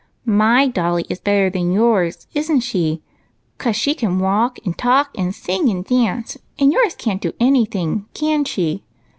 " 3fy dolly is better than yours, is n't she ? 'cause she can walk and talk and sing and dance, and yours can't do any thing, can she